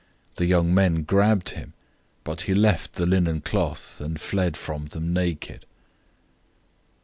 The young men grabbed him, 014:052 but he left the linen cloth, and fled from them naked.